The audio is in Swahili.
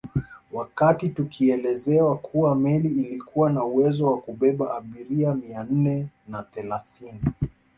Wakati tukielezwa kuwa meli ilikuwa na uwezo wa kubeba abiria mia nne na thelathini